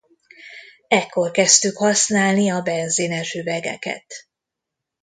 Ekkor kezdtük használni a benzines üvegeket.